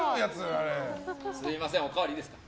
すみません、おかわりいいですか。